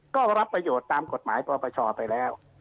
ก็รับประโยชน์ตามกฎหมายปปชไปแล้ว